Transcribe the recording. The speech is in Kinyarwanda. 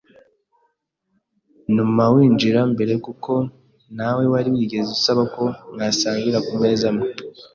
ntuma winjira mbere kuko nta we wari wigeze usaba ko mwasangira ku meza amwe